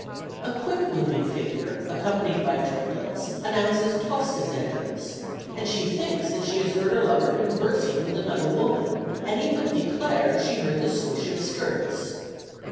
A quick moving figure, accompanied by triplets, announces Tosca's entrance, and she thinks that she has heard her lover conversing with another woman, and even declares she heard the swish of skirts.